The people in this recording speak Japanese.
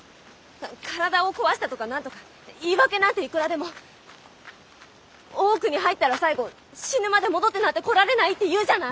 体を壊したとか何とか言い訳なんていくらでも。大奥に入ったら最後死ぬまで戻ってなんて来られないっていうじゃない！